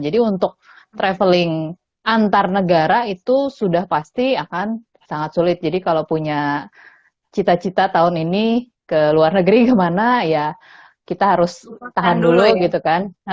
jadi untuk traveling antar negara itu sudah pasti akan sangat sulit jadi kalau punya cita cita tahun ini ke luar negeri kemana ya kita harus tahan dulu gitu kan